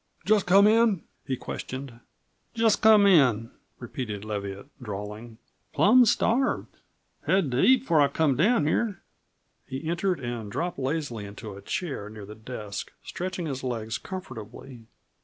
"Just come in?" he questioned. "Just come in," repeated Leviatt drawling. "Plum starved. Had to eat before I came down here." He entered and dropped lazily into a chair near the desk, stretching his legs comfortably.